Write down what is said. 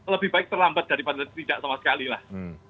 lebih baik terlambat daripada tidak sama sekali lah